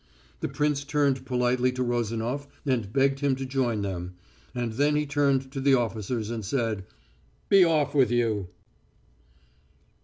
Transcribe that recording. The prince turned politely to Rozanof and begged him to join them, and then he turned to the officers and said, "Be off with you!"